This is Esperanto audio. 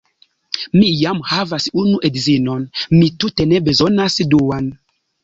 Mi jam havas unu edzinon, mi tute ne bezonas duan.